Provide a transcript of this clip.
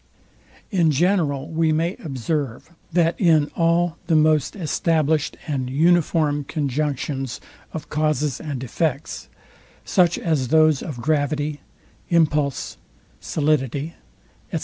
In general we may observe, that in all the most established and uniform conjunctions of causes and effects, such as those of gravity, impulse, solidity, &c.